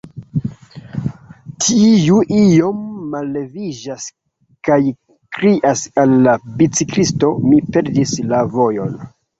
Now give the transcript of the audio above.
Tiu iom malleviĝas, kaj krias al la biciklisto: Mi perdis la vojon.